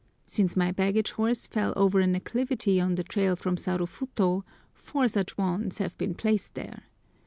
Since my baggage horse fell over an acclivity on the trail from Sarufuto, four such wands have been placed there.